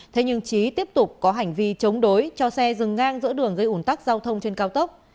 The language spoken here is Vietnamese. thế nhưng trí tiếp tục có hành vi chống đối cho xe dừng ngang giữa đường dây ủn tắc giao thông trên cao tốc